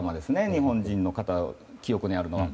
日本人の方の記憶にあるのは。